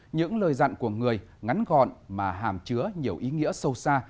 những lời dặn của người ngắn gọn mà hàm chứa nhiều ý nghĩa sâu xa